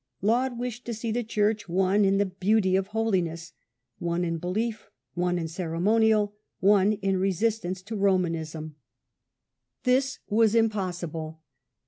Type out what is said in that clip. Laud wished to see the Church one in the "Beauty of Holiness"; one in belief, one in ceremonial, one in resistance to Romanism. This was impossible.